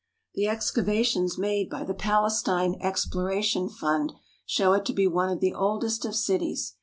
The excavations made by the Palestine Exploration Fund show it to be one of the oldest of cities.